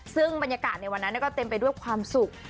ซึ่งบรรยากาศในวันนั้นก็เต็มไปด้วยความสุข